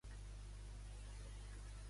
I en l'àmbit espanyol?